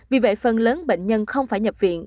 vì vậy phần lớn bệnh nhân không phải nhập viện